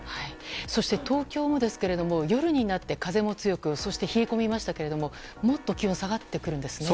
そして東京も、夜になって風も強くそして冷え込みましたけどももっと気温が下がってくるんですよね。